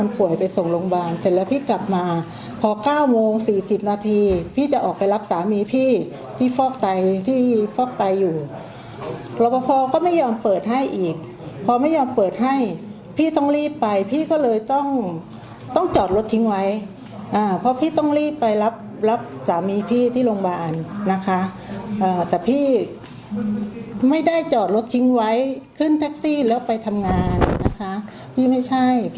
เลยนะครับพี่พี่ช่วยเล่าเหตุการณ์ในวันที่เกิดเหตุให้หน่อย